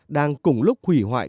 đang cùng lúc hủy hoại